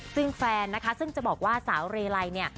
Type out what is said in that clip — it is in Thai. ซึ่งแฟนนะคะซึ่งจะบอกว่าสาวเรลัยเนี่ย